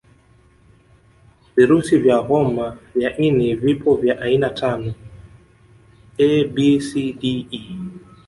Virusi vya homa ya ini vipo vya aina tano A B C D E